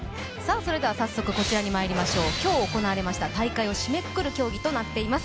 早速まいりましょう、今日行われました大会を締めくくる競技となっています。